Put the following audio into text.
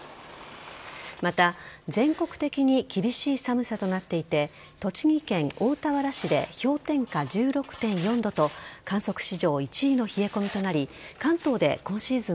また全国的に厳しい寒さとなっていて栃木県大田原市で氷点下１６．４度と観測史上１位の冷え込みとなり関東で今シーズン